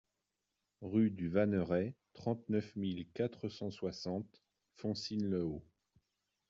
Rue du Vanneret, trente-neuf mille quatre cent soixante Foncine-le-Haut